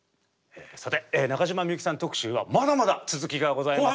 さて中島みゆきさん特集はまだまだ続きがございますので。